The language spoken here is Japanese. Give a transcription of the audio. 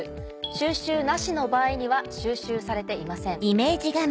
「収集なし」の場合には収集されていません。